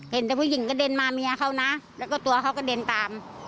เห็นแต่ผู้หญิงกระเด็นมาเมียเขานะแล้วก็ตัวเขากระเด็นตาม